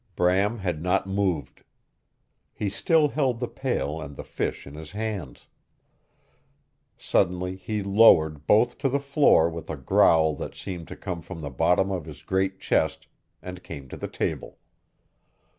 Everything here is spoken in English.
Bram had not moved. He still held the pail and the fish in his hands. Suddenly he lowered both to the floor with a growl that seemed to come from the bottom of his great chest, and came to the table.